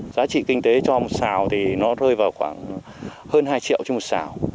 giá trị kinh tế cho một xào thì nó rơi vào khoảng hơn hai triệu trên một xào